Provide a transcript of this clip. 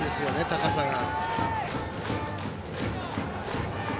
高さが。